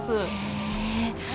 へえ！